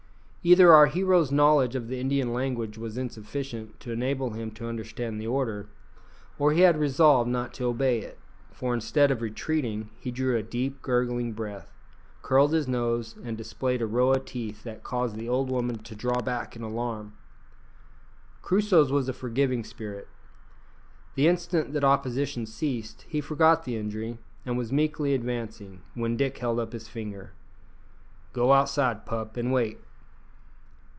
Either our hero's knowledge of the Indian language was insufficient to enable him to understand the order, or he had resolved not to obey it, for instead of retreating, he drew a deep gurgling breath, curled his nose, and displayed a row of teeth that caused the old woman to draw back in alarm. Crusoe's was a forgiving spirit. The instant that opposition ceased he forgot the injury, and was meekly advancing, when Dick held up his finger. "Go outside, pup, and wait."